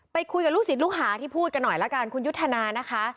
คุยกับลูกศิษย์ลูกหาที่พูดกันหน่อยละกันคุณยุทธนานะคะ